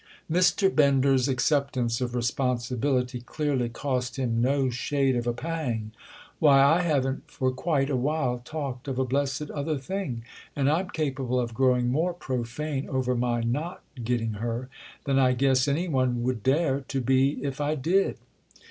Mr. Benders acceptance of responsibility clearly cost him no shade of a pang. "Why, I haven't for quite a while talked of a blessed other thing—and I'm capable of growing more profane over my not getting her than I guess any one would dare to be if I did."